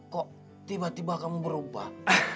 kok tiba tiba kamu berubah